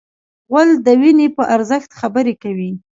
غول د وینې په ارزښت خبرې کوي.